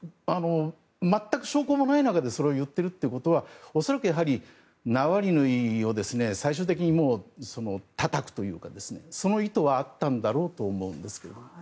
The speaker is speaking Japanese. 全く証拠もない中でそれを言っているということは恐らく、ナワリヌイを最終的にたたくというかその意図はあったんだろうと思うんですけど。